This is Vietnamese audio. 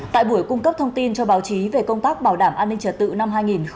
tại buổi cung cấp thông tin cho báo chí về công tác bảo đảm an ninh trật tự năm hai nghìn hai mươi